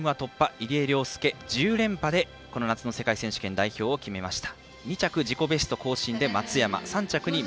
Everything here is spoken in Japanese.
入江陵介、１０連覇でこの夏の世界選手権内定を決めました。